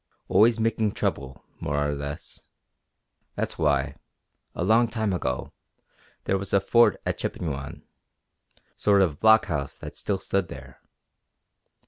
Always making trouble, more or less. That's why, a long time ago, there was a fort at Chippewyan sort of blockhouse that still stood there.